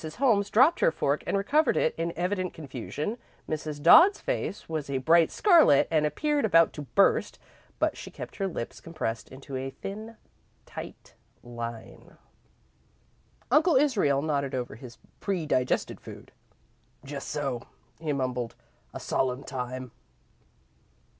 Holmes dropped her fork and recovered it in evident confusion. Mrs. Dodd's face was a bright scarlet and appeared about to burst, but she kept her lips compressed into a thin, tight line. Uncle Israel nodded over his predigested food. "Just so," he mumbled; "a solemn time."